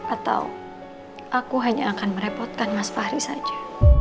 atau aku hanya akan merepotkan mas fahri saja